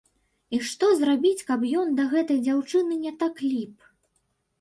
І што зрабіць, каб ён да гэтай дзяўчыны не так ліп?!.